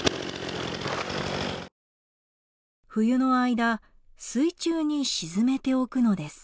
冬の間水中に沈めておくのです。